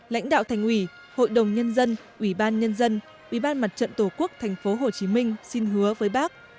lãnh đạo thành ủy hội đồng nhân dân ủy ban nhân dân ủy ban mặt trận tổ quốc tp hcm xin hứa với bác